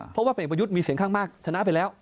เพราะว่าผลเอกประยุทธ์มีเสียงข้างมากชนะไปแล้ว